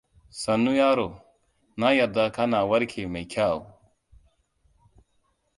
Sannu, yaro. Na yarda kana warke mai kyau.